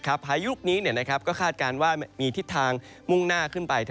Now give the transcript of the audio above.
พายุนี้ก็คาดการณ์ว่ามีทิศทางมุ่งหน้าขึ้นไป